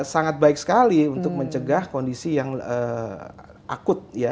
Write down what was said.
sangat baik sekali untuk mencegah kondisi yang akut ya